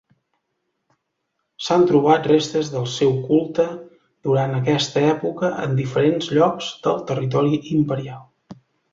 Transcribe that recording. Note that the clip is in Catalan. S'han trobat restes del seu culte durant aquesta època en diferents llocs del territori imperial.